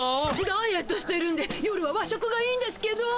ダイエットしてるんで夜は和食がいいんですけど。